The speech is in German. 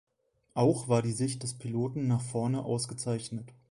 Auch war die Sicht des Piloten nach vorne ausgezeichnet.